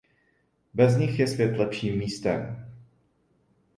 Bez nich je svět lepším místem.